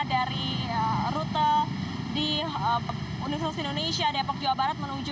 dari rute di universitas indonesia depok jawa barat menuju